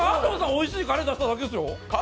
おいしいカレー出しただけですよ？